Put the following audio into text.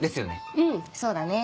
うんそうだね。